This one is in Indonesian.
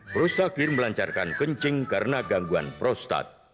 prostakir melancarkan kencing karena gangguan prostat